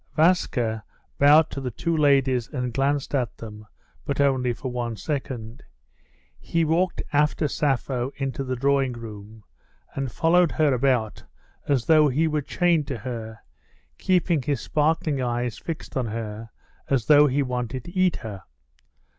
Vaska bowed to the two ladies, and glanced at them, but only for one second. He walked after Sappho into the drawing room, and followed her about as though he were chained to her, keeping his sparkling eyes fixed on her as though he wanted to eat her.